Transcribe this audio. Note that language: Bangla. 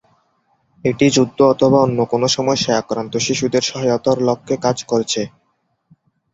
এটি যুদ্ধ অথবা অন্য কোন সমস্যায় আক্রান্ত শিশুদের সহায়তার লক্ষ্যে কাজ করছে।